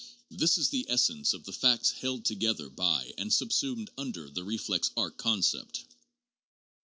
This is the essence of the facts held together by and subsumed under the reflex arc con cept.